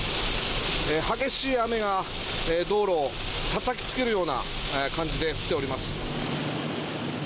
激しい雨が道路をたたきつけるような感じで降っております。